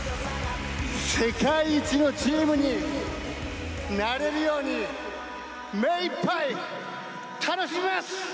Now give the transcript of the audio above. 世界一のチームになれるように、目いっぱい楽しみます。